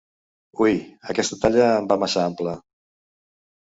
Ui, aquesta talla em va massa ampla!